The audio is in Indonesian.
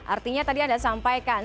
artinya tadi anda sampaikan